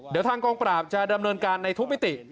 เดี๋ยวทางกองปราบจะดำเนินการในทุกมิติ